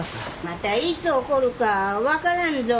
またいつ起こるか分からんぞ。